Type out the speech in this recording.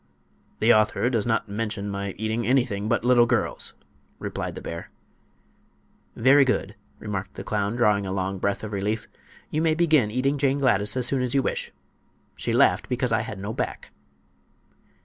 "The author does not mention my eating anything but little girls," replied the bear. "Very good," remarked the clown, drawing a long breath of relief. "you may begin eating Jane Gladys as soon as you wish. She laughed because I had no back."